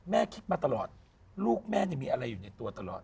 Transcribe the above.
แม่คิดมาตลอดลูกแม่มีอะไรอยู่ในตัวตลอด